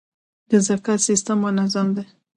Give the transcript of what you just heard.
د زکات سیستم منظم دی؟